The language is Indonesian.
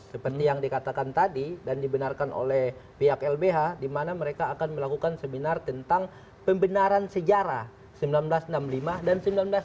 seperti yang dikatakan tadi dan dibenarkan oleh pihak lbh di mana mereka akan melakukan seminar tentang pembenaran sejarah seribu sembilan ratus enam puluh lima dan seribu sembilan ratus sembilan puluh